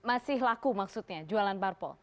masih laku maksudnya jualan barpo